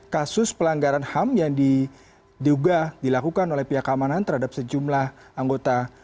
kasus pelanggaran ham yang diduga dilakukan oleh pihak keamanan terhadap sejumlah anggota